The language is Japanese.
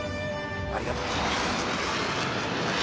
ありがとう。